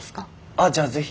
あっじゃあ是非。